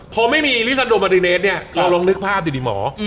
เพราะไม่มีลิซันโดมาติเนสเพราะเราลองนึกภาพอยู่ดิหมอ